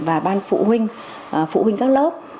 và ban phụ huynh phụ huynh các lớp